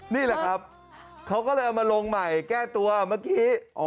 นี่แหละครับเขาก็เลยเอามาลงใหม่แก้ตัวเมื่อกี้